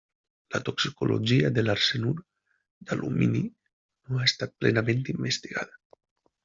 La toxicologia de l'arsenur d'alumini no ha estat plenament investigada.